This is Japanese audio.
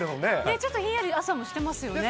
ちょっとひんやり、朝もしてですよね。